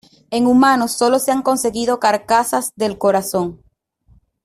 En humanos sólo se han conseguido carcasas del corazón.